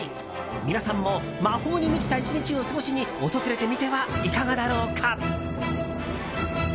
皆さんも魔法に満ちた１日を過ごしに訪れてみてはいかがだろうか。